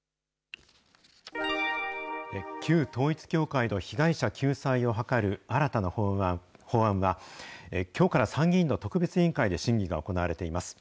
旧統一教会の被害者救済を図る新たな法案は、きょうから参議院の特別委員会で審議が行われています。